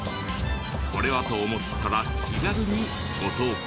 これはと思ったら気軽にご投稿